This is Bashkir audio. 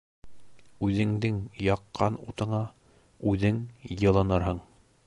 Үҙеңдең яҡҡан утыңа үҙең йылынырһың.